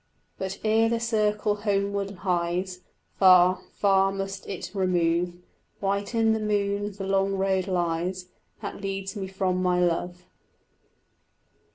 But ere the circle homeward hies Far, far must it remove: White in the moon the long road lies That leads me from my love.